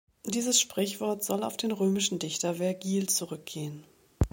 Dieses Sprichwort soll auf den römischen Dichter Vergil zurückgehen.